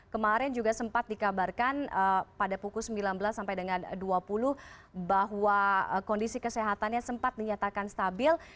kemarin juga sempat dikabarkan pada pukul sembilan belas sampai dengan dua puluh bahwa kondisi kesehatannya sempat dinyatakan stabil